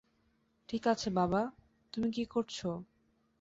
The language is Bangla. ঠিক আছে বাবা, তুমি কি করছো?